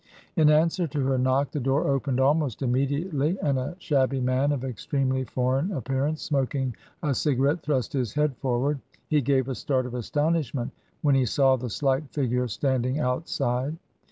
In answer to her knock, the door opened almost im mediately, and a shabby man of extremely foreign ap pearance, smoking a cigarette, thrust his head forward ; he gave a start of astonishment when he saw the slight figure standing outside.